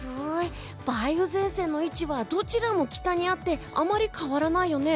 梅雨前線の位置はどちらも北にあってあまり変わらないよね。